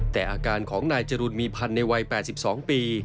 แต่อาการของนายทรโสตยัง